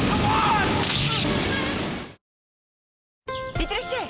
いってらっしゃい！